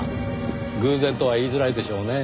偶然とは言いづらいでしょうねぇ。